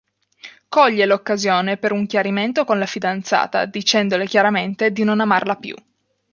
Coglie l'occasione per un chiarimento con la fidanzata, dicendole chiaramente di non amarla più.